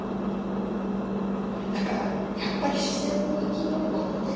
だからやっぱり自然の生き物なのね。